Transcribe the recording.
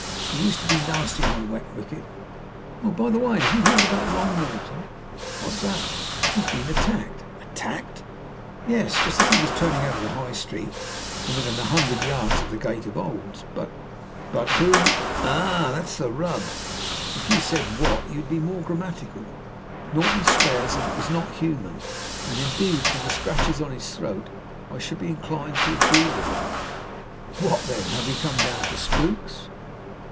He used to be nasty on a wet wicket. Oh, by the way, have you heard about Long Norton?" "What's that?" "He's been attacked." "Attacked?" "Yes, just as he was turning out of the High Street, and within a hundred yards of the gate of Old's." "But who " "Ah, that's the rub! If you said 'what,' you would be more grammatical. Norton swears that it was not human, and, indeed, from the scratches on his throat, I should be inclined to agree with him." "What, then? Have we come down to spooks?"